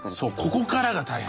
こっからが大変。